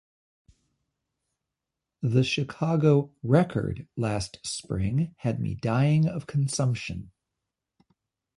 The Chicago "Record" last spring had me dying of consumption.